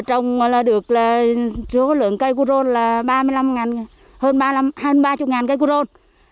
trồng được lượng cây cu rôn là hơn ba mươi cây cu rôn